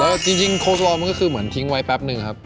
แล้วจริงโค้ดรอมันก็คือเหมือนทิ้งไว้แป๊บนึงครับ